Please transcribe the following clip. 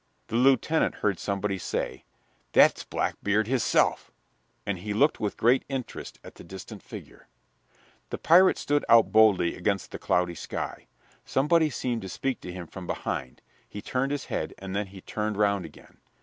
The lieutenant heard somebody say, "That's Blackbeard his self." And he looked with great interest at the distant figure. The pirate stood out boldly against the cloudy sky. Somebody seemed to speak to him from behind. He turned his head and then he turned round again.